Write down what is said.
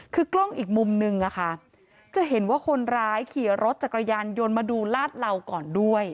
คือกล้องอีกมุมนึงจะเห็นว่าคนร้ายขี่รถจักรยานยนต์มาดูลาดเหล่าก่อนด้วย